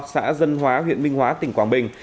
xã dân hóa huyện minh hóa tỉnh quảng bình